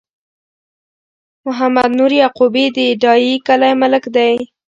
محمد نور یعقوبی د ډایی کلی ملک دی